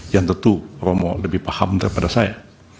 yang tentu romo lebih paham daripada saya